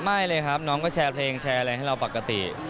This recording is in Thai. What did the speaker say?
ไม่เลยครับน้องก็แชร์เพลงแชร์อะไรให้เราปกติ